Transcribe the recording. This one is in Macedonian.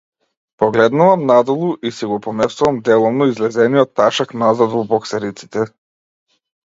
Погледнувам надолу, и си го поместувам делумно излезениот ташак назад во боксериците.